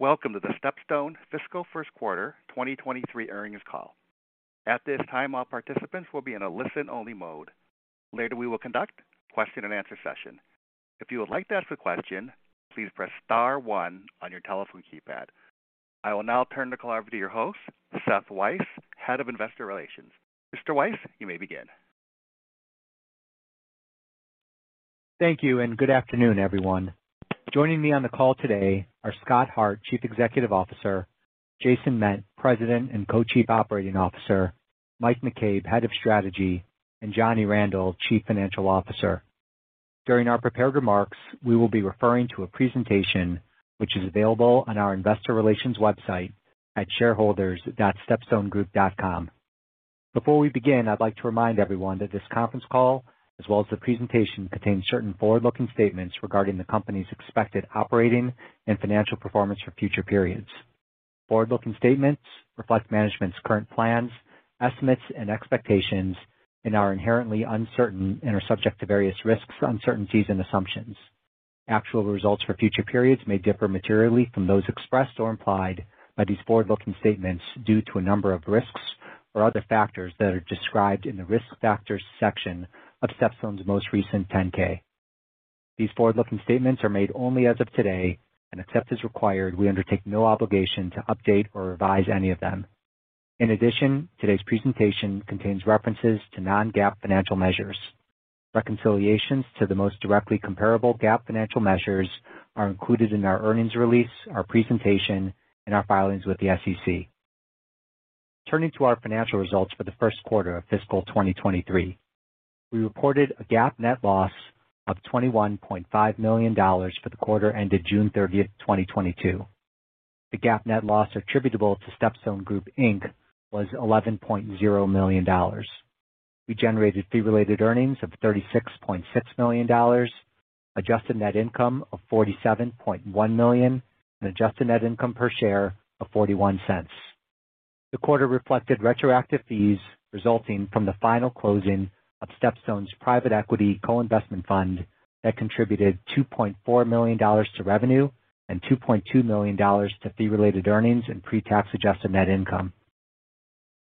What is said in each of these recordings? Welcome to the StepStone Fiscal First Quarter 2023 Earnings Call. At this time, all participants will be in a listen-only mode. Later, we will conduct question and answer session. If you would like to ask a question, please press star one on your telephone keypad. I will now turn the call over to your host, Seth Weiss, Head of Investor Relations. Mr. Weiss, you may begin. Thank you and good afternoon, everyone. Joining me on the call today are Scott Hart, Chief Executive Officer, Jason Ment, President and Co-Chief Operating Officer, Mike McCabe, Head of Strategy, and Johnny Randel, Chief Financial Officer. During our prepared remarks, we will be referring to a presentation which is available on our investor relations website at shareholders.stepstonegroup.com. Before we begin, I'd like to remind everyone that this conference call, as well as the presentation, contains certain forward-looking statements regarding the company's expected operating and financial performance for future periods. Forward-looking statements reflect management's current plans, estimates, and expectations and are inherently uncertain and are subject to various risks, uncertainties, and assumptions. Actual results for future periods may differ materially from those expressed or implied by these forward-looking statements due to a number of risks or other factors that are described in the Risk Factors section of StepStone's most recent 10-K. These forward-looking statements are made only as of today, and except as required, we undertake no obligation to update or revise any of them. In addition, today's presentation contains references to non-GAAP financial measures. Reconciliations to the most directly comparable GAAP financial measures are included in our earnings release, our presentation, and our filings with the SEC. Turning to our financial results for the first quarter of fiscal 2023. We reported a GAAP net loss of $21.5 million for the quarter ended June 30th, 2022. The GAAP net loss attributable to StepStone Group, Inc was $11.0 million. We generated fee-related earnings of $36.6 million, Adjusted Net Income of $47.1 million, and Adjusted Net Income per share of $0.41. The quarter reflected retroactive fees resulting from the final closing of StepStone's private equity co-investment fund that contributed $2.4 million to revenue and $2.2 million to fee related earnings and pre-tax adjusted net income.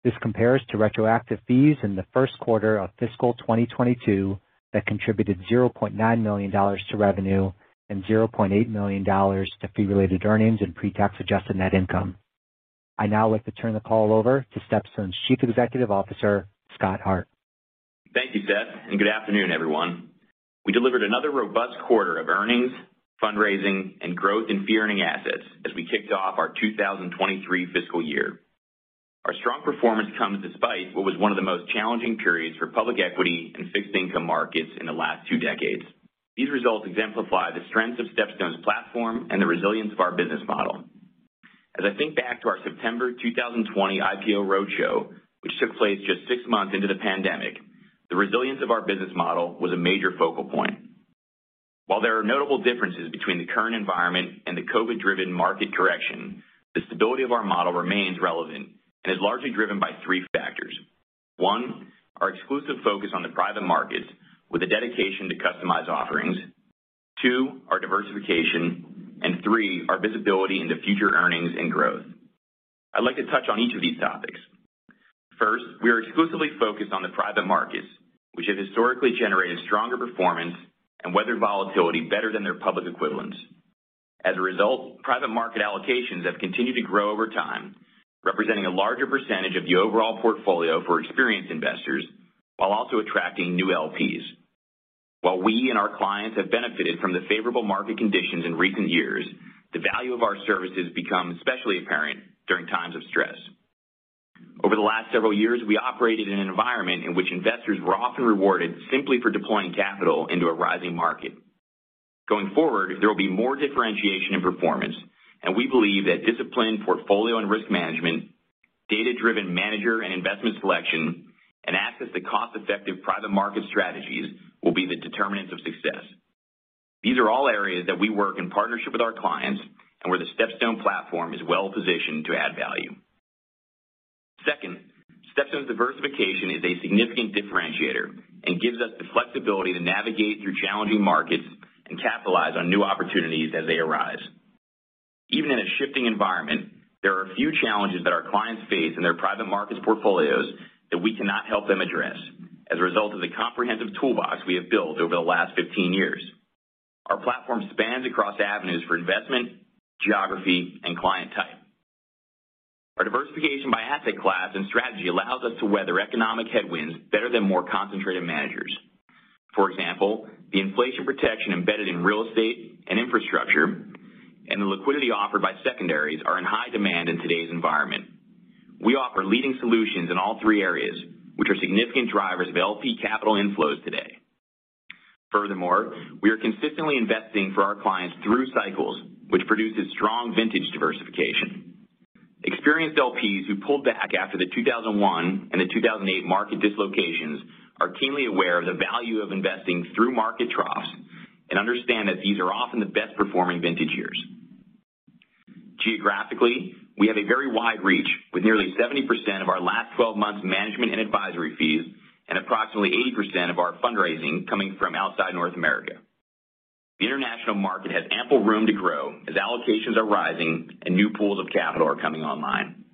This compares to retroactive fees in the first quarter of fiscal 2022 that contributed $0.9 million to revenue and $0.8 million to fee related earnings and pre-tax adjusted net income. I now like to turn the call over to StepStone's Chief Executive Officer, Scott Hart. Thank you, Seth, and good afternoon, everyone. We delivered another robust quarter of earnings, fundraising, and growth in fee-earning assets as we kicked off our 2023 fiscal year. Our strong performance comes despite what was one of the most challenging periods for public equity and fixed income markets in the last two decades. These results exemplify the strengths of StepStone's platform and the resilience of our business model. As I think back to our September 2020 IPO roadshow, which took place just six months into the pandemic, the resilience of our business model was a major focal point. While there are notable differences between the current environment and the COVID-driven market correction, the stability of our model remains relevant and is largely driven by three factors. One, our exclusive focus on the private markets with a dedication to customized offerings. Two, our diversification. Three, our visibility into future earnings and growth. I'd like to touch on each of these topics. First, we are exclusively focused on the private markets, which have historically generated stronger performance and weathered volatility better than their public equivalents. As a result, private market allocations have continued to grow over time, representing a larger percentage of the overall portfolio for experienced investors while also attracting new LPs. While we and our clients have benefited from the favorable market conditions in recent years, the value of our services become especially apparent during times of stress. Over the last several years, we operated in an environment in which investors were often rewarded simply for deploying capital into a rising market. Going forward, there will be more differentiation in performance, and we believe that disciplined portfolio and risk management, data-driven manager and investment selection, and access to cost-effective private market strategies will be the determinants of success. These are all areas that we work in partnership with our clients and where the StepStone platform is well-positioned to add value. Second, StepStone's diversification is a significant differentiator and gives us the flexibility to navigate through challenging markets and capitalize on new opportunities as they arise. Even in a shifting environment, there are a few challenges that our clients face in their private markets portfolios that we cannot help them address as a result of the comprehensive toolbox we have built over the last 15 years. Our platform spans across avenues for investment, geography, and client type. Our diversification by asset class and strategy allows us to weather economic headwinds better than more concentrated managers. For example, the inflation protection embedded in real estate and infrastructure and the liquidity offered by secondaries are in high demand in today's environment. We offer leading solutions in all three areas, which are significant drivers of LP capital inflows today. Furthermore, we are consistently investing for our clients through cycles, which produces strong vintage diversification. Experienced LPs who pulled back after the 2001 and the 2008 market dislocations are keenly aware of the value of investing through market troughs and understand that these are often the best performing vintage years. Geographically, we have a very wide reach with nearly 70% of our last 12 months management and advisory fees, and approximately 80% of our fundraising coming from outside North America. The international market has ample room to grow as allocations are rising and new pools of capital are coming online.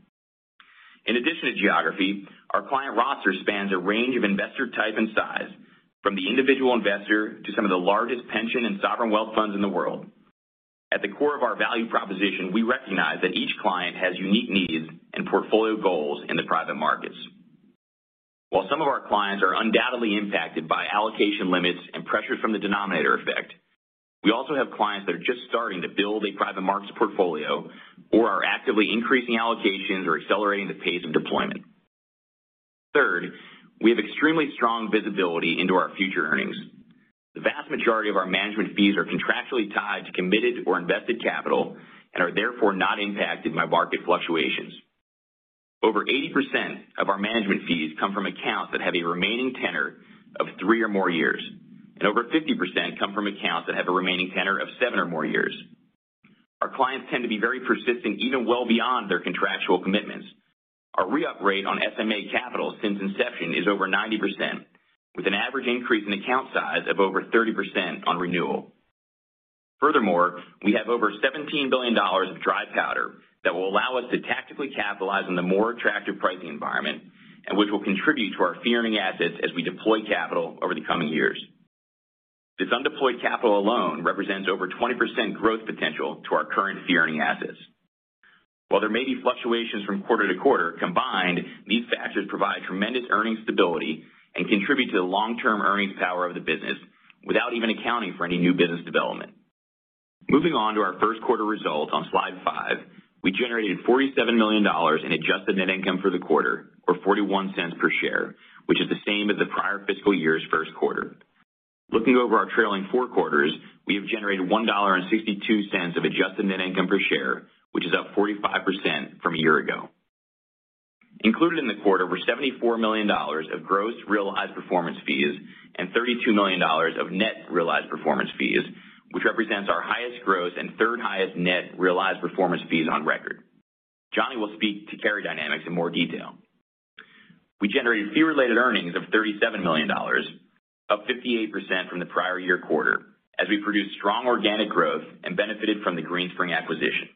In addition to geography, our client roster spans a range of investor type and size, from the individual investor to some of the largest pension and sovereign wealth funds in the world. At the core of our value proposition, we recognize that each client has unique needs and portfolio goals in the private markets. While some of our clients are undoubtedly impacted by allocation limits and pressures from the denominator effect, we also have clients that are just starting to build a private markets portfolio or are actively increasing allocations or accelerating the pace of deployment. Third, we have extremely strong visibility into our future earnings. The vast majority of our management fees are contractually tied to committed or invested capital and are therefore not impacted by market fluctuations. Over 80% of our management fees come from accounts that have a remaining tenor of three or more years, and over 50% come from accounts that have a remaining tenor of seven or more years. Our clients tend to be very persistent, even well beyond their contractual commitments. Our re-up rate on SMA Capital since inception is over 90%, with an average increase in account size of over 30% on renewal. Furthermore, we have over $17 billion of dry powder that will allow us to tactically capitalize on the more attractive pricing environment and which will contribute to our fee-earning assets as we deploy capital over the coming years. This undeployed capital alone represents over 20% growth potential to our current fee-earning assets. While there may be fluctuations from quarter to quarter, combined, these factors provide tremendous earning stability and contribute to the long-term earnings power of the business without even accounting for any new business development. Moving on to our first quarter results on slide five. We generated $47 million in adjusted net income for the quarter, or $0.41 per share, which is the same as the prior fiscal year's first quarter. Looking over our trailing four quarters, we have generated $1.62 of adjusted net income per share, which is up 45% from a year ago. Included in the quarter were $74 million of gross realized performance fees and $32 million of net realized performance fees, which represents our highest gross and third highest net realized performance fees on record. Johnny will speak to carry dynamics in more detail. We generated Fee-Related Earnings of $37 million, up 58% from the prior-year quarter as we produced strong organic growth and benefited from the Greenspring acquisition.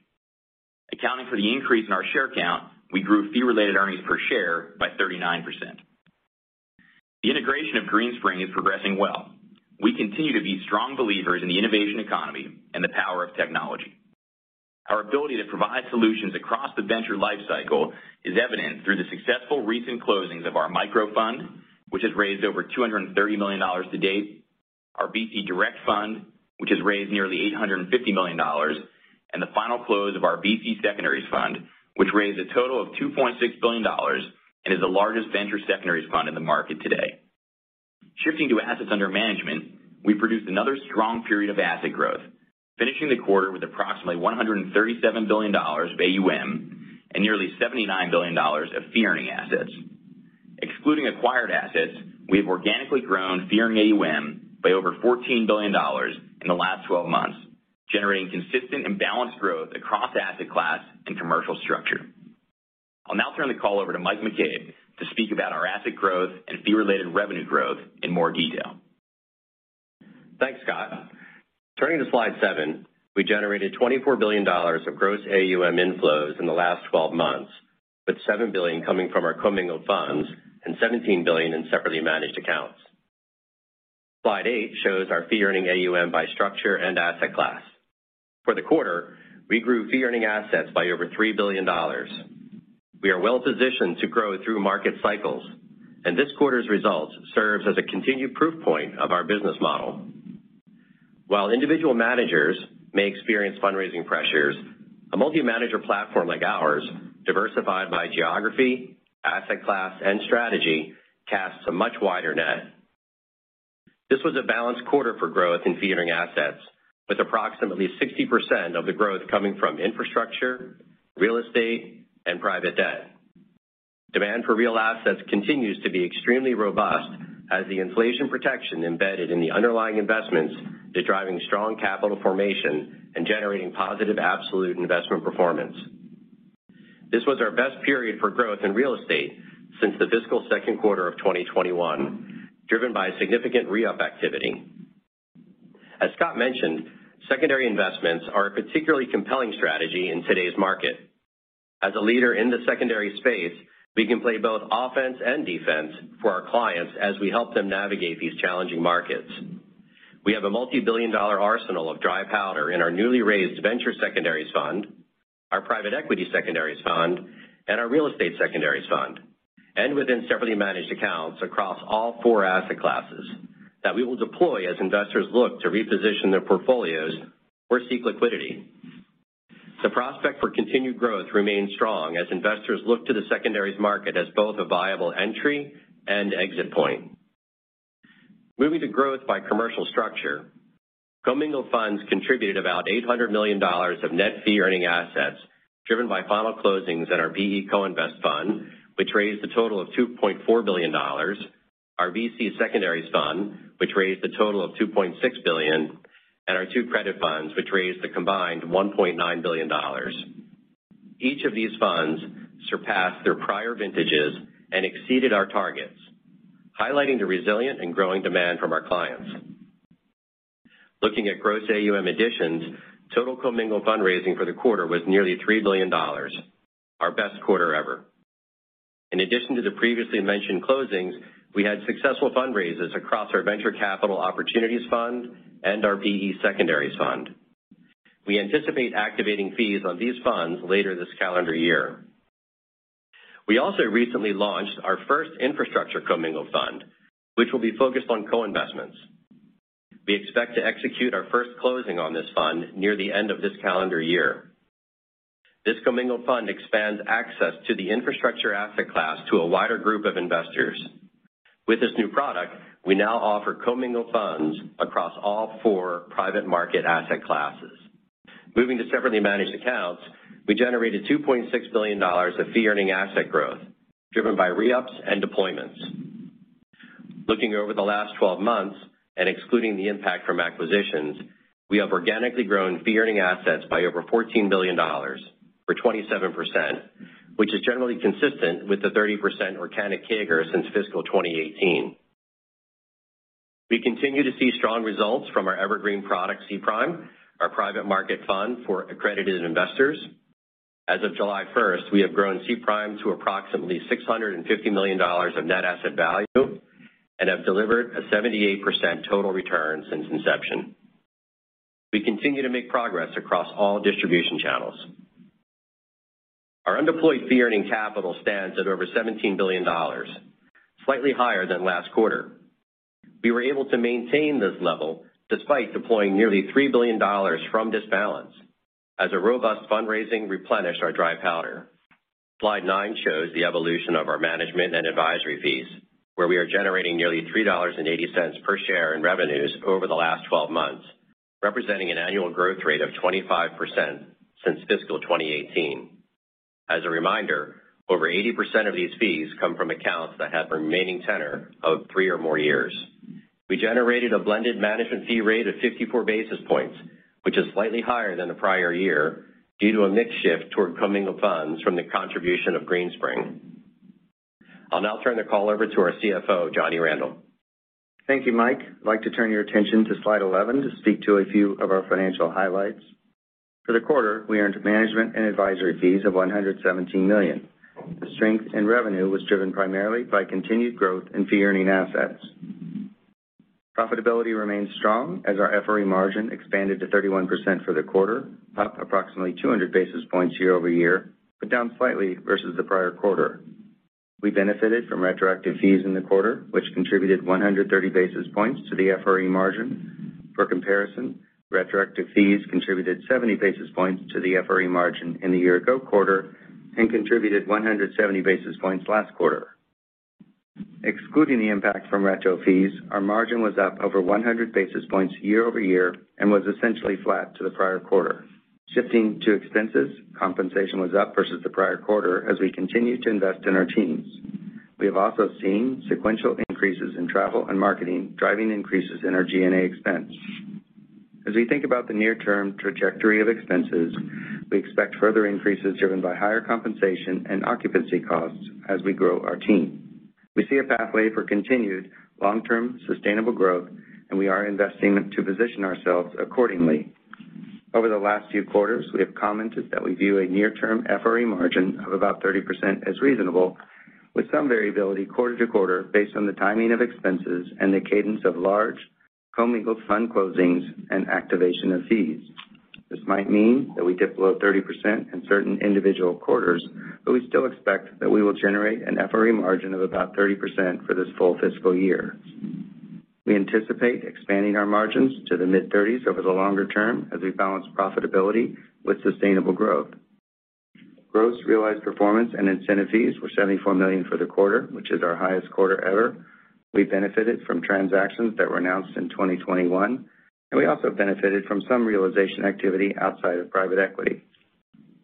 Accounting for the increase in our share count, we grew Fee-Related Earnings per share by 39%. The integration of Greenspring is progressing well. We continue to be strong believers in the innovation economy and the power of technology. Our ability to provide solutions across the venture life cycle is evident through the successful recent closings of our Micro-VC Fund, which has raised over $230 million to date, our VC direct fund, which has raised nearly $850 million, and the final close of our VC secondaries fund, which raised a total of $2.6 billion and is the largest venture secondaries fund in the market today. Shifting to assets under management, we produced another strong period of asset growth, finishing the quarter with approximately $137 billion of AUM and nearly $79 billion of fee-earning assets. Excluding acquired assets, we have organically grown fee-earning AUM by over $14 billion in the last 12 months, generating consistent and balanced growth across asset class and commercial structure. I'll now turn the call over to Mike McCabe to speak about our asset growth and fee-related revenue growth in more detail. Thanks, Scott. Turning to slide seven, we generated $24 billion of gross AUM inflows in the last 12 months, with $7 billion coming from our commingled funds and $17 billion in separately managed accounts. Slide eight shows our fee-earning AUM by structure and asset class. For the quarter, we grew fee-earning assets by over $3 billion. We are well-positioned to grow through market cycles, and this quarter's results serves as a continued proof point of our business model. While individual managers may experience fundraising pressures, a multi-manager platform like ours, diversified by geography, asset class, and strategy, casts a much wider net. This was a balanced quarter for growth in fee-earning assets, with approximately 60% of the growth coming from infrastructure, real estate, and private debt. Demand for real assets continues to be extremely robust as the inflation protection embedded in the underlying investments is driving strong capital formation and generating positive absolute investment performance. This was our best period for growth in real estate since the fiscal second quarter of 2021, driven by significant re-up activity. As Scott mentioned, secondary investments are a particularly compelling strategy in today's market. As a leader in the secondary space, we can play both offense and defense for our clients as we help them navigate these challenging markets. We have a multi-billion dollar arsenal of dry powder in our newly raised venture secondaries fund, our private equity secondaries fund, and our real estate secondaries fund, and within separately managed accounts across all four asset classes that we will deploy as investors look to reposition their portfolios or seek liquidity. The prospect for continued growth remains strong as investors look to the secondaries market as both a viable entry and exit point. Moving to growth by commercial structure. Commingled funds contributed about $800 million of net fee-earning assets driven by final closings in our PE Co-Invest fund, which raised a total of $2.4 billion, our VC secondaries fund, which raised a total of $2.6 billion, and our two credit funds, which raised a combined $1.9 billion. Each of these funds surpassed their prior vintages and exceeded our targets, highlighting the resilient and growing demand from our clients. Looking at gross AUM additions, total commingled fundraising for the quarter was nearly $3 billion, our best quarter ever. In addition to the previously mentioned closings, we had successful fundraisers across our Venture Capital Opportunities Fund and our PE Secondaries Fund. We anticipate activating fees on these funds later this calendar year. We also recently launched our first Infrastructure Commingled Fund, which will be focused on co-investments. We expect to execute our first closing on this fund near the end of this calendar year. This commingled fund expands access to the infrastructure asset class to a wider group of investors. With this new product, we now offer commingled funds across all four private markets asset classes. Moving to separately managed accounts, we generated $2.6 billion of fee-earning assets growth, driven by re-ups and deployments. Looking over the last 12 months and excluding the impact from acquisitions, we have organically grown fee-earning assets by over $14 billion or 27%, which is generally consistent with the 30% organic CAGR since fiscal 2018. We continue to see strong results from our evergreen product, CPRIM, our private market fund for accredited investors. As of July 1st, we have grown CPRIM to approximately $650 million of net asset value and have delivered a 78% total return since inception. We continue to make progress across all distribution channels. Our undeployed fee-earning capital stands at over $17 billion, slightly higher than last quarter. We were able to maintain this level despite deploying nearly $3 billion from this balance as a robust fundraising replenished our dry powder. Slide nine shows the evolution of our management and advisory fees, where we are generating nearly $3.80 per share in revenues over the last 12 months, representing an annual growth rate of 25% since fiscal 2018. As a reminder, over 80% of these fees come from accounts that have a remaining tenure of three or more years. We generated a blended management fee rate of 54 basis points, which is slightly higher than the prior year due to a mix shift toward commingled funds from the contribution of Greenspring. I'll now turn the call over to our CFO, Johnny Randel. Thank you, Mike. I'd like to turn your attention to slide 11 to speak to a few of our financial highlights. For the quarter, we earned management and advisory fees of $117 million. The strength in revenue was driven primarily by continued growth in fee earning assets. Profitability remains strong as our FRE margin expanded to 31% for the quarter, up approximately 200 basis points year-over-year, but down slightly versus the prior quarter. We benefited from retroactive fees in the quarter, which contributed 130 basis points to the FRE margin. For comparison, retroactive fees contributed 70 basis points to the FRE margin in the year-ago quarter and contributed 170 basis points last quarter. Excluding the impact from retro fees, our margin was up over 100 basis points year-over-year and was essentially flat to the prior quarter. Shifting to expenses, compensation was up versus the prior quarter as we continue to invest in our teams. We have also seen sequential increases in travel and marketing, driving increases in our G&A expense. As we think about the near-term trajectory of expenses, we expect further increases driven by higher compensation and occupancy costs as we grow our team. We see a pathway for continued long-term sustainable growth, and we are investing to position ourselves accordingly. Over the last few quarters, we have commented that we view a near-term FRE margin of about 30% as reasonable, with some variability quarter-to-quarter based on the timing of expenses and the cadence of large commingled fund closings and activation of fees. This might mean that we dip below 30% in certain individual quarters, but we still expect that we will generate an FRE margin of about 30% for this full fiscal year. We anticipate expanding our margins to the mid-30s over the longer term as we balance profitability with sustainable growth. Gross realized performance and incentive fees were $74 million for the quarter, which is our highest quarter ever. We benefited from transactions that were announced in 2021, and we also benefited from some realization activity outside of private equity.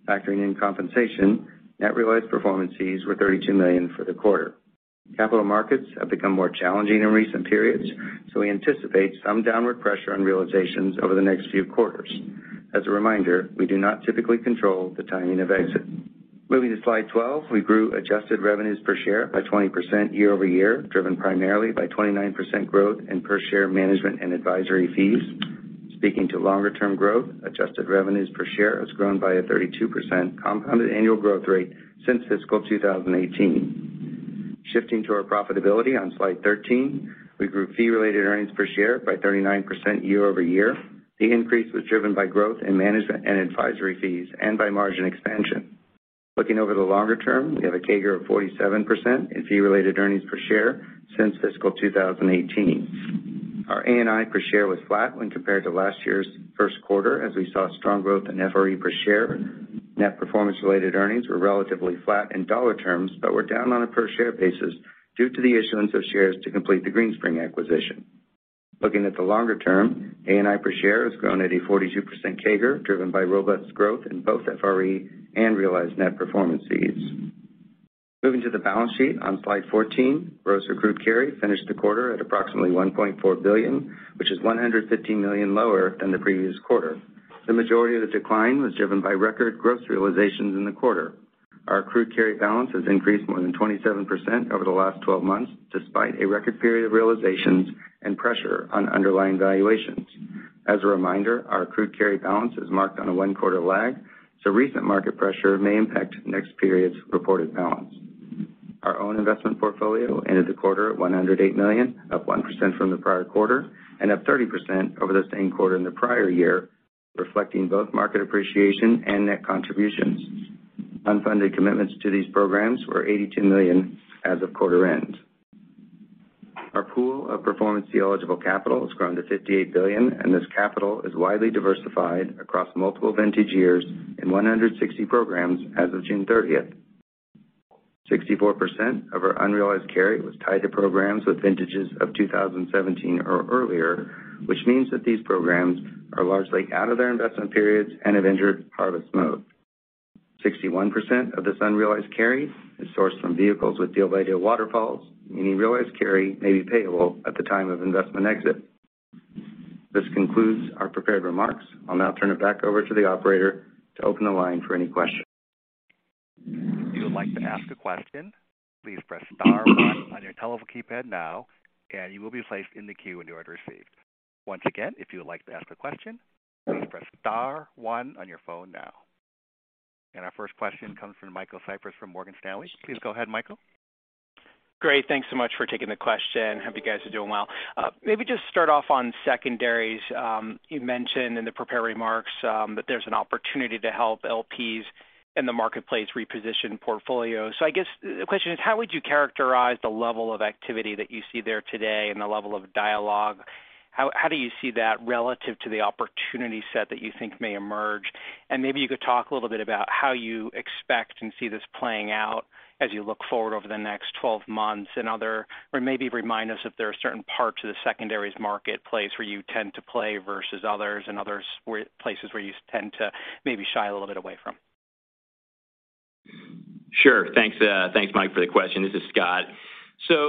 Factoring in compensation, net realized performance fees were $32 million for the quarter. Capital markets have become more challenging in recent periods, so we anticipate some downward pressure on realizations over the next few quarters. As a reminder, we do not typically control the timing of exit. Moving to slide 12, we grew adjusted revenues per share by 20% year-over-year, driven primarily by 29% growth in per share management and advisory fees. Speaking to longer-term growth, adjusted revenues per share has grown by a 32% compounded annual growth rate since fiscal 2018. Shifting to our profitability on slide 13, we grew fee-related earnings per share by 39% year-over-year. The increase was driven by growth in management and advisory fees and by margin expansion. Looking over the longer term, we have a CAGR of 47% in fee-related earnings per share since fiscal 2018. Our ANI per share was flat when compared to last year's first quarter as we saw strong growth in FRE per share. Net performance-related earnings were relatively flat in dollar terms, but were down on a per share basis due to the issuance of shares to complete the Greenspring acquisition. Looking at the longer term, ANI per share has grown at a 42% CAGR, driven by robust growth in both FRE and realized net performance fees. Moving to the balance sheet on slide 14, gross accrued carry finished the quarter at approximately $1.4 billion, which is $115 million lower than the previous quarter. The majority of the decline was driven by record gross realizations in the quarter. Our accrued carry balance has increased more than 27% over the last 12 months, despite a record period of realizations and pressure on underlying valuations. As a reminder, our accrued carry balance is marked on a one-quarter lag, so recent market pressure may impact next period's reported balance. Our own investment portfolio ended the quarter at $108 million, up 1% from the prior quarter and up 30% over the same quarter in the prior year, reflecting both market appreciation and net contributions. Unfunded commitments to these programs were $82 million as of quarter end. Our pool of performance fee eligible capital has grown to $58 billion, and this capital is widely diversified across multiple vintage years in 160 programs as of June 30th. 64% of our unrealized carry was tied to programs with vintages of 2017 or earlier, which means that these programs are largely out of their investment periods and have entered harvest mode. 61% of this unrealized carry is sourced from vehicles with deal-by-deal waterfalls, meaning realized carry may be payable at the time of investment exit. This concludes our prepared remarks. I'll now turn it back over to the operator to open the line for any questions. If you would like to ask a question, please press star one on your telephone keypad now, and you will be placed in the queue and your order received. Once again, if you would like to ask a question, please press star one on your phone now. Our first question comes from Michael Cyprys from Morgan Stanley. Please go ahead, Michael. Great. Thanks so much for taking the question. Hope you guys are doing well. Maybe just start off on secondaries. You mentioned in the prepared remarks that there's an opportunity to help LPs in the marketplace reposition portfolios. I guess the question is, how would you characterize the level of activity that you see there today and the level of dialogue? How do you see that relative to the opportunity set that you think may emerge? Maybe you could talk a little bit about how you expect and see this playing out as you look forward over the next 12 months or maybe remind us if there are certain parts of the secondaries marketplace where you tend to play versus others and places where you tend to maybe shy a little bit away from. Sure. Thanks, Mike, for the question. This is Scott.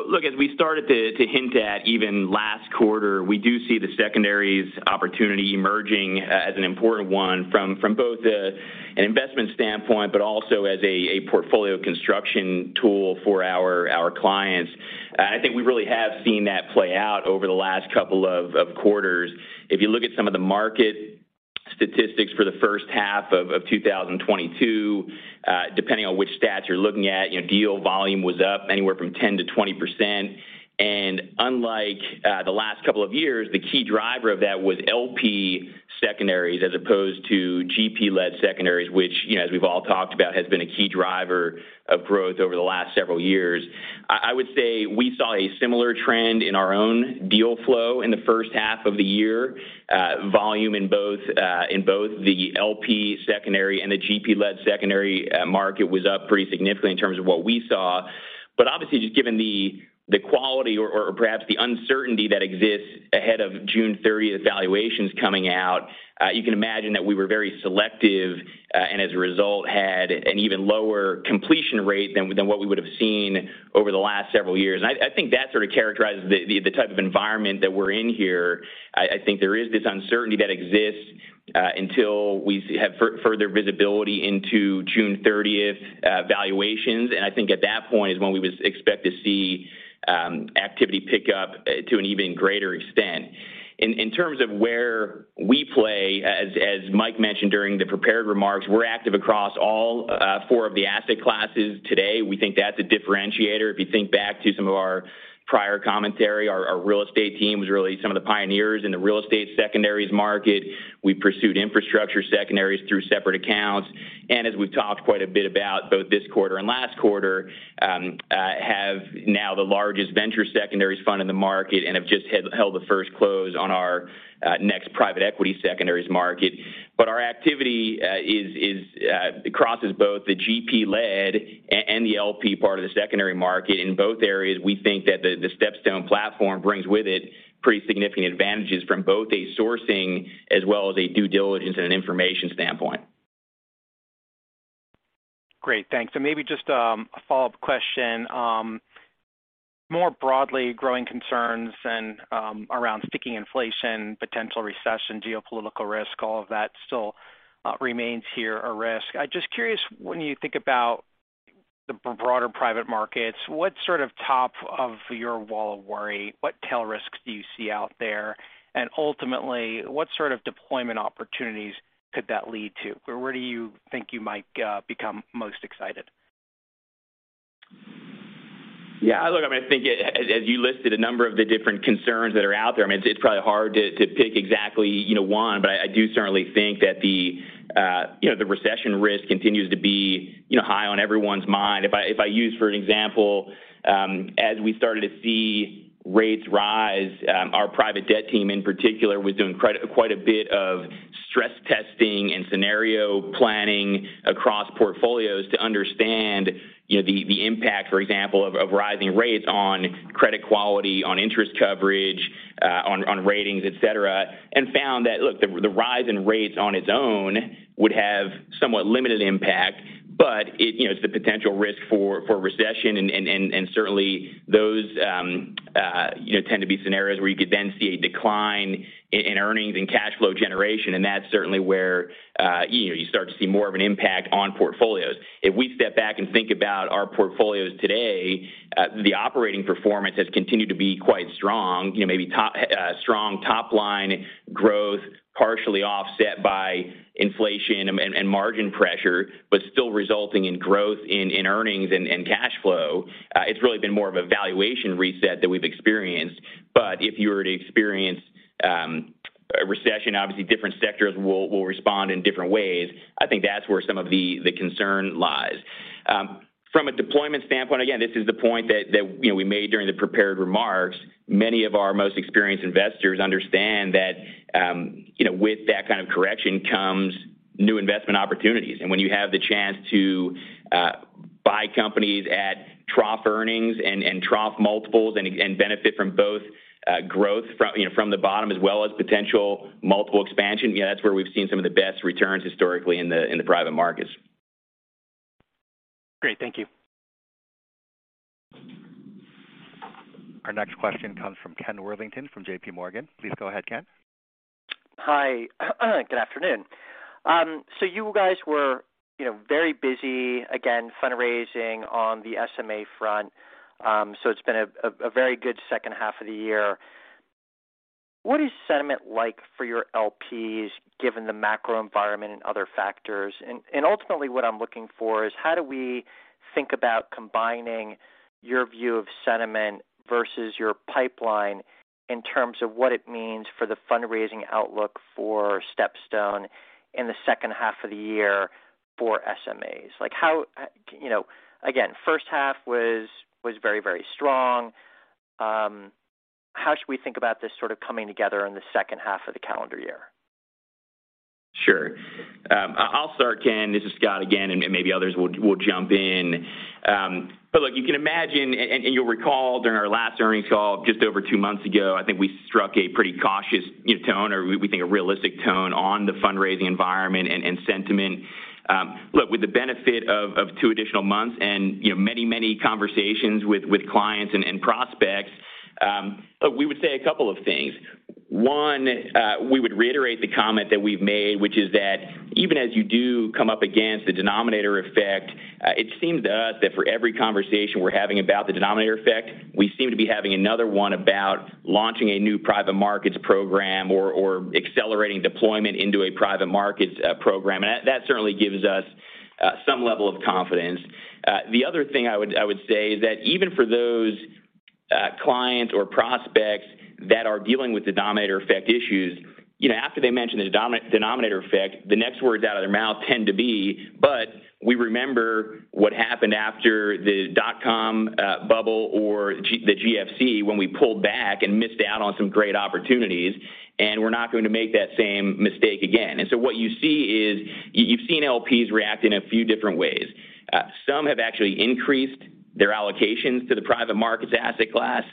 Look, as we started to hint at even last quarter, we do see the secondaries opportunity emerging as an important one from both an investment standpoint, but also as a portfolio construction tool for our clients. I think we really have seen that play out over the last couple of quarters. If you look at some of the market statistics for the first half of 2022, depending on which stats you're looking at, you know, deal volume was up anywhere from 10%-20%. Unlike the last couple of years, the key driver of that was LP secondaries as opposed to GP-led secondaries, which, you know, as we've all talked about, has been a key driver of growth over the last several years. I would say we saw a similar trend in our own deal flow in the first half of the year. Volume in both the LP secondary and the GP-led secondary market was up pretty significantly in terms of what we saw. Obviously, just given the quality or perhaps the uncertainty that exists ahead of June 30th valuations coming out, you can imagine that we were very selective, and as a result, had an even lower completion rate than what we would have seen over the last several years. I think that sort of characterizes the type of environment that we're in here. I think there is this uncertainty that exists until we have further visibility into June 30th valuations. I think at that point is when we would expect to see activity pick up to an even greater extent. In terms of where we play, as Mike mentioned during the prepared remarks, we're active across all four of the asset classes today. We think that's a differentiator. If you think back to some of our prior commentary, our real estate team was really some of the pioneers in the real estate secondaries market. We pursued infrastructure secondaries through separate accounts. As we've talked quite a bit about both this quarter and last quarter, have now the largest venture secondaries fund in the market and have just held the first close on our next private equity secondaries market. But our activity crosses both the GP-led and the LP part of the secondary market. In both areas, we think that the StepStone platform brings with it pretty significant advantages from both a sourcing as well as a due diligence and an information standpoint. Great. Thanks. Maybe just a follow-up question. More broadly, growing concerns and around sticky inflation, potential recession, geopolitical risk, all of that still remains here a risk. I'm just curious, when you think about the broader private markets, what sort of top of your wall of worry, what tail risks do you see out there? And ultimately, what sort of deployment opportunities could that lead to? Or where do you think you might become most excited? Look, I mean, I think as you listed a number of the different concerns that are out there, I mean, it's probably hard to pick exactly, you know, one. I do certainly think that the recession risk continues to be, you know, high on everyone's mind. If I use, for example, as we started to see rates rise, our private debt team in particular was doing quite a bit of stress testing and scenario planning across portfolios to understand, you know, the impact, for example, of rising rates on credit quality, on interest coverage, on ratings, etc., and found that, look, the rise in rates on its own would have somewhat limited impact. But it, you know, it's the potential risk for recession and certainly those you know tend to be scenarios where you could then see a decline in earnings and cash flow generation, and that's certainly where you know you start to see more of an impact on portfolios. If we step back and think about our portfolios today, the operating performance has continued to be quite strong. You know, maybe strong top-line growth, partially offset by inflation and margin pressure, but still resulting in growth in earnings and cash flow. It's really been more of a valuation reset that we've experienced. If you were to experience a recession, obviously different sectors will respond in different ways. I think that's where some of the concern lies. From a deployment standpoint, again, this is the point that you know, we made during the prepared remarks. Many of our most experienced investors understand that, you know, with that kind of correction comes new investment opportunities. When you have the chance to buy companies at trough earnings and trough multiples and benefit from both, growth from you know, from the bottom as well as potential multiple expansion, you know, that's where we've seen some of the best returns historically in the private markets. Great. Thank you. Our next question comes from Ken Worthington from JPMorgan. Please go ahead, Ken. Hi. Good afternoon. You guys were, you know, very busy again fundraising on the SMA front. It's been a very good second half of the year. What is sentiment like for your LPs given the macro environment and other factors? Ultimately, what I'm looking for is how do we think about combining your view of sentiment versus your pipeline in terms of what it means for the fundraising outlook for StepStone in the second half of the year for SMAs? Like how, you know, again, first half was very strong. How should we think about this sort of coming together in the second half of the calendar year? Sure. I'll start, Ken. This is Scott again, and maybe others will jump in. Look, you can imagine and you'll recall during our last earnings call just over two months ago, I think we struck a pretty cautious, you know, tone, or we think a realistic tone on the fundraising environment and sentiment. Look, with the benefit of two additional months and, you know, many conversations with clients and prospects, we would say a couple of things. One, we would reiterate the comment that we've made, which is that even as you do come up against the denominator effect, it seems to us that for every conversation we're having about the denominator effect, we seem to be having another one about launching a new private markets program or accelerating deployment into a private markets program. That certainly gives us some level of confidence. The other thing I would say is that even for those clients or prospects that are dealing with denominator effect issues, you know, after they mention the denominator effect, the next words out of their mouth tend to be, "But we remember what happened after the dot-com bubble or the GFC when we pulled back and missed out on some great opportunities, and we're not going to make that same mistake again." What you see is you've seen LPs react in a few different ways. Some have actually increased their allocations to the private markets asset class.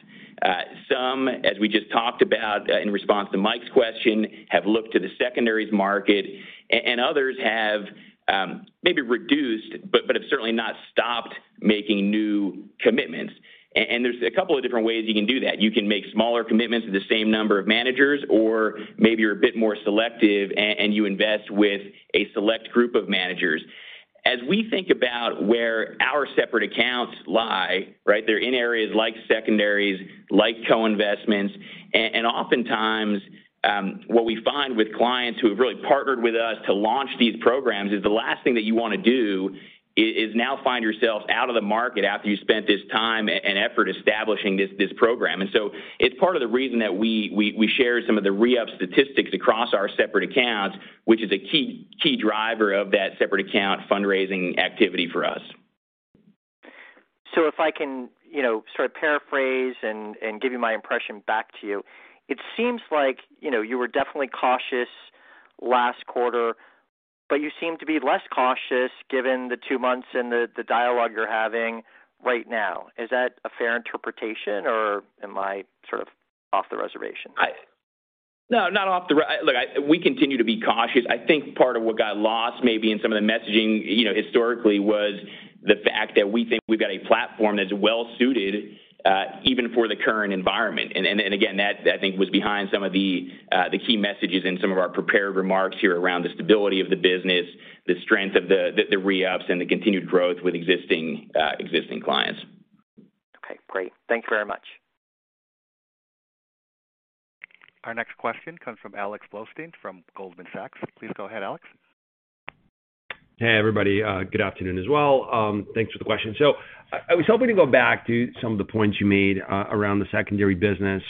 Some, as we just talked about, in response to Mike's question, have looked to the secondaries market. Others have maybe reduced, but have certainly not stopped making new commitments. There's a couple of different ways you can do that. You can make smaller commitments with the same number of managers, or maybe you're a bit more selective and you invest with a select group of managers. As we think about where our separate accounts lie, right? They're in areas like secondaries, like co-investments. Oftentimes, what we find with clients who have really partnered with us to launch these programs is the last thing that you wanna do is now find yourself out of the market after you spent this time and effort establishing this program. It's part of the reason that we share some of the re-up statistics across our separate accounts, which is a key driver of that separate account fundraising activity for us. If I can, you know, sort of paraphrase and give you my impression back to you. It seems like, you know, you were definitely cautious last quarter, but you seem to be less cautious given the two months and the dialogue you're having right now. Is that a fair interpretation or am I sort of off the reservation? Look, we continue to be cautious. I think part of what got lost maybe in some of the messaging, you know, historically was the fact that we think we've got a platform that's well-suited, even for the current environment. Again, that I think was behind some of the key messages in some of our prepared remarks here around the stability of the business, the strength of the re-ups and the continued growth with existing clients. Okay, great. Thank you very much. Our next question comes from Alex Blostein from Goldman Sachs. Please go ahead, Alex. Hey, everybody. Good afternoon as well. Thanks for the question. I was hoping to go back to some of the points you made around the secondary business.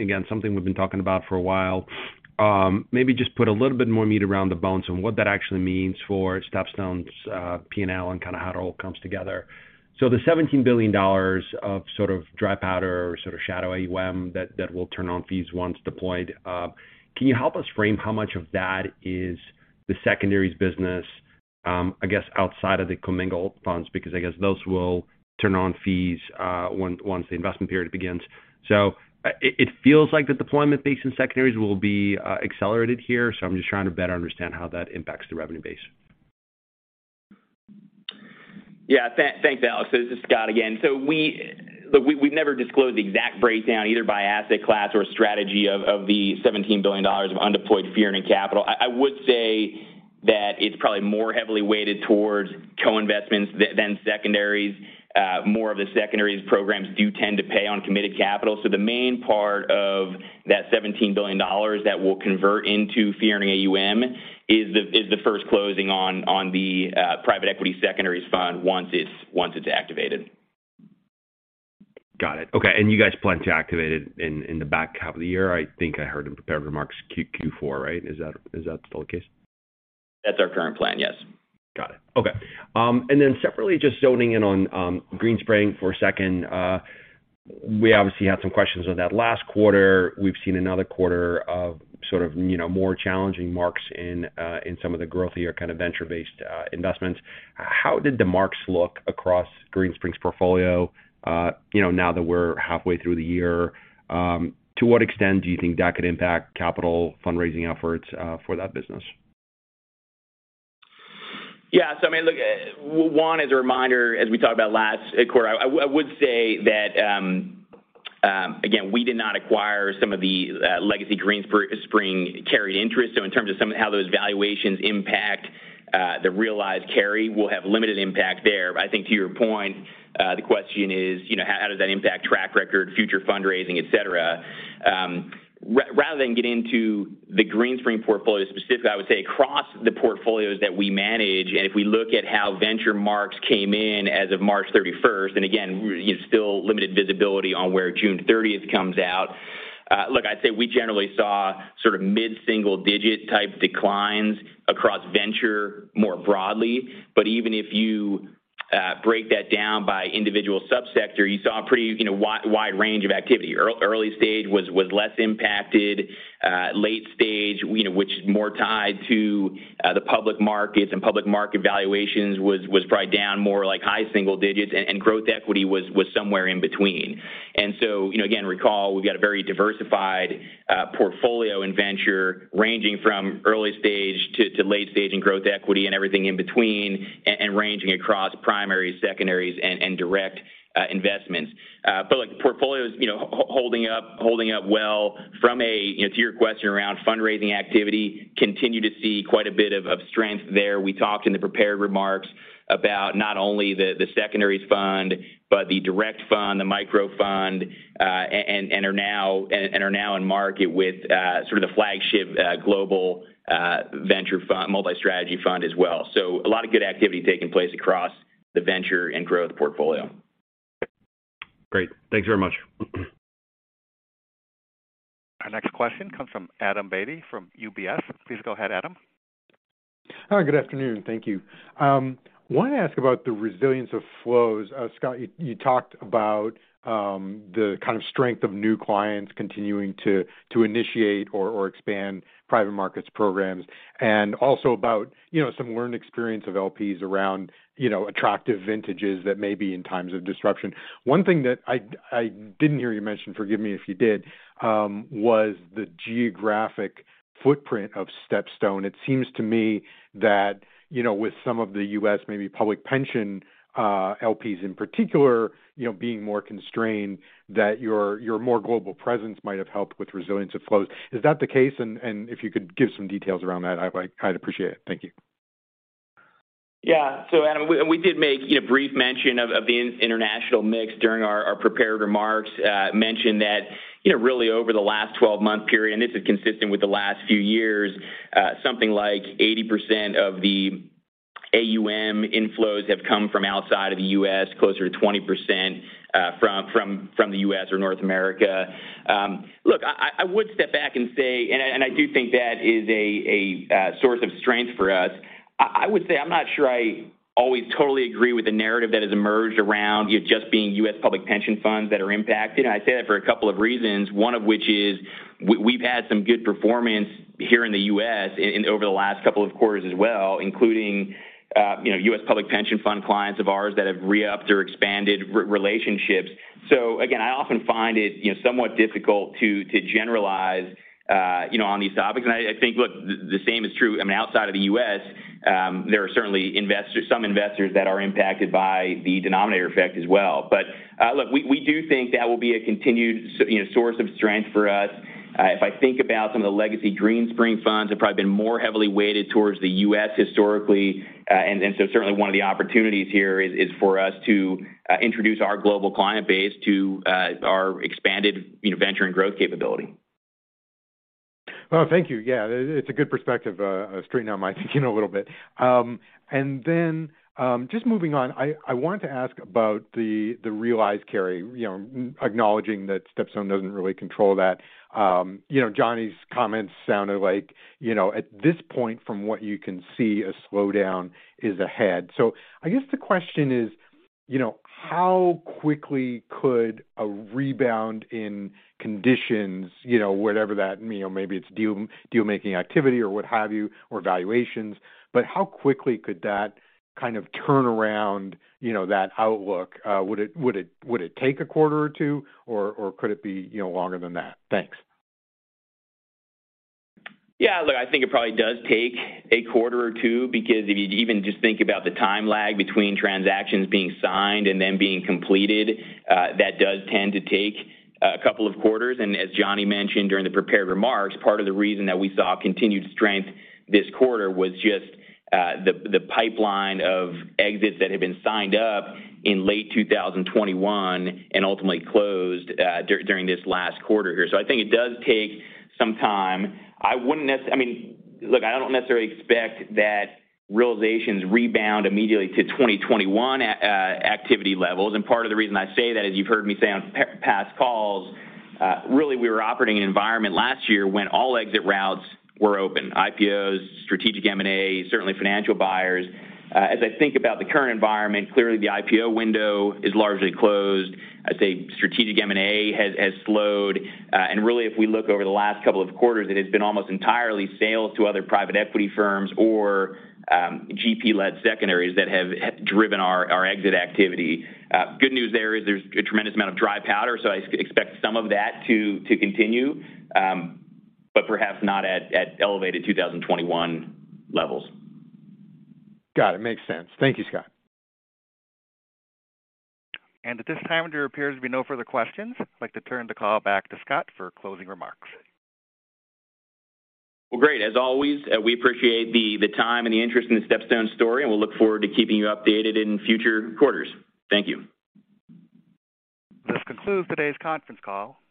Again, something we've been talking about for a while. Maybe just put a little bit more meat around the bones on what that actually means for StepStone's P&L and kinda how it all comes together. The $17 billion of sort of dry powder or sort of shadow AUM that will turn on fees once deployed, can you help us frame how much of that is the secondaries business? I guess outside of the commingled funds, because I guess those will turn on fees, once the investment period begins. It feels like the deployment base in secondaries will be accelerated here, so I'm just trying to better understand how that impacts the revenue base. Yeah. Thanks, Alex. This is Scott again. Look, we've never disclosed the exact breakdown, either by asset class or strategy of the $17 billion of undeployed fee-earning capital. I would say that it's probably more heavily weighted towards co-investments than secondaries. More of the secondaries programs do tend to pay on committed capital. The main part of that $17 billion that will convert into fee-earning AUM is the first closing on the private equity secondaries fund once it's activated. Got it. Okay. You guys plan to activate it in the back half of the year. I think I heard in prepared remarks Q4, right? Is that still the case? That's our current plan, yes. Got it. Okay. Separately, just zoning in on Greenspring for a second. We obviously had some questions on that last quarter. We've seen another quarter of sort of, you know, more challenging marks in some of the growthier kind of venture-based investments. How did the marks look across Greenspring's portfolio, you know, now that we're halfway through the year? To what extent do you think that could impact capital fundraising efforts for that business? I mean, as a reminder, as we talked about last quarter, I would say that, again, we did not acquire some of the legacy Greenspring carried interest. In terms of how those valuations impact, the realized carry will have limited impact there. I think to your point, the question is, you know, how does that impact track record, future fundraising, et cetera? Rather than get into the Greenspring portfolio specifically, I would say across the portfolios that we manage, and if we look at how venture marks came in as of March 31st, and again, you know, still limited visibility on where June 30th comes out. I'd say we generally saw sort of mid-single digit type declines across venture more broadly. Even if you break that down by individual sub-sector, you saw a pretty, you know, wide range of activity. Early stage was less impacted. Late stage, you know, which is more tied to the public markets, and public market valuations was probably down more like high single digits. Growth equity was somewhere in between. You know, again, recall we've got a very diversified portfolio in venture, ranging from early stage to late stage in growth equity, and everything in between, and ranging across primaries, secondaries and direct investments. Look, the portfolio is, you know, holding up well. You know, to your question around fundraising activity, continue to see quite a bit of strength there. We talked in the prepared remarks about not only the secondaries fund but the direct fund, the Micro Fund, and are now in market with sort of the flagship global venture fund multi-strategy fund as well. A lot of good activity taking place across the venture and growth portfolio. Great. Thanks very much. Our next question comes from Adam Beatty from UBS. Please go ahead, Adam. Hi, good afternoon. Thank you. Wanted to ask about the resilience of flows. Scott, you talked about the kind of strength of new clients continuing to initiate or expand private markets programs and also about, you know, some learned experience of LPs around, you know, attractive vintages that may be in times of disruption. One thing that I didn't hear you mention, forgive me if you did, was the geographic footprint of StepStone. It seems to me that, you know, with some of the U.S. maybe public pension LPs in particular, you know, being more constrained, that your more global presence might have helped with resilience of flows. Is that the case? And if you could give some details around that, I'd appreciate it. Thank you. Yeah. Adam, we did make, you know, brief mention of the international mix during our prepared remarks. Mentioned that, you know, really over the last 12-month period, and this is consistent with the last few years, something like 80% of the AUM inflows have come from outside of the U.S., closer to 20% from the U.S. or North America. Look, I would step back and say, and I do think that is a source of strength for us. I would say I'm not sure I always totally agree with the narrative that has emerged around it just being U.S. public pension funds that are impacted. I say that for a couple of reasons, one of which is we've had some good performance here in the U.S. in, you know, over the last couple of quarters as well, including, you know, U.S. public pension fund clients of ours that have re-upped or expanded relationships. Again, I often find it, you know, somewhat difficult to generalize, you know, on these topics. I think, look, the same is true, I mean, outside of the U.S., there are certainly investors, some investors that are impacted by the denominator effect as well. Look, we do think that will be a continued, you know, source of strength for us. If I think about some of the legacy Greenspring funds have probably been more heavily weighted towards the U.S. historically. Certainly one of the opportunities here is for us to introduce our global client base to our expanded, you know, venture and growth capability. Well, thank you. Yeah, it's a good perspective, straightening out my thinking a little bit. Just moving on, I wanted to ask about the realized carry. You know, acknowledging that StepStone doesn't really control that. You know, Johnny's comments sounded like, you know, at this point, from what you can see, a slowdown is ahead. I guess the question is. You know, how quickly could a rebound in conditions, you know, whatever that, you know, maybe it's deal-making activity or what have you, or valuations, but how quickly could that kind of turn around, you know, that outlook? Would it take a quarter or two, or could it be, you know, longer than that? Thanks. Yeah, look, I think it probably does take a quarter or two because if you even just think about the time lag between transactions being signed and then being completed, that does tend to take a couple of quarters. As Johnny mentioned during the prepared remarks, part of the reason that we saw continued strength this quarter was just the pipeline of exits that had been signed up in late 2021 and ultimately closed during this last quarter here. I think it does take some time. I mean, look, I don't necessarily expect that realizations rebound immediately to 2021 activity levels. Part of the reason I say that, as you've heard me say on past calls, really we were operating in an environment last year when all exit routes were open, IPOs, strategic M&A, certainly financial buyers. As I think about the current environment, clearly the IPO window is largely closed. I'd say strategic M&A has slowed. Really, if we look over the last couple of quarters, it has been almost entirely sales to other private equity firms or GP-led secondaries that have driven our exit activity. Good news is there's a tremendous amount of dry powder, so I expect some of that to continue, but perhaps not at elevated 2021 levels. Got it. Makes sense. Thank you, Scott. At this time, there appears to be no further questions. I'd like to turn the call back to Scott for closing remarks. Well, great. As always, we appreciate the time and the interest in the StepStone story, and we'll look forward to keeping you updated in future quarters. Thank you. This concludes today's conference call.